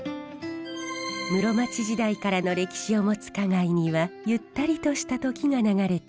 室町時代からの歴史を持つ花街にはゆったりとした時が流れています。